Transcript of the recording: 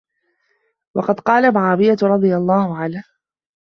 وَقَدْ قَالَ مُعَاوِيَةُ رَضِيَ اللَّهُ عَنْهُ